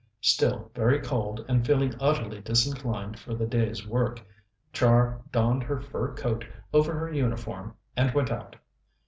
Still very cold, and feeling utterly disinclined for the day's work, Char donned her fur coat over her uniform and went out.